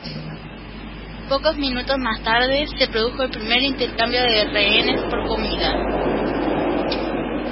Pocos minutos más tarde se produjo el primer intercambio de rehenes por comida.